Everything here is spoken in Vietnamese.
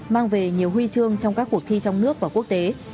mang về nhiều huy chương trong các cuộc thi trong nước và quốc tế